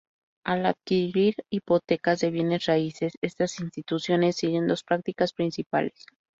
Al adquirir hipotecas de bienes raíces, estas instituciones siguen dos prácticas principales.